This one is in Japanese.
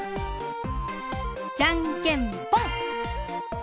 じゃんけんぽん！